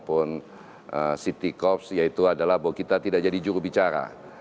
pemerintah maupun city corp yaitu bahwa kita tidak jadi jurubicara